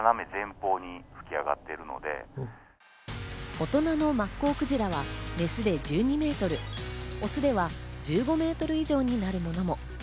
大人のマッコウクジラはメスで１２メートル、オスでは１５メートル以上になるものも。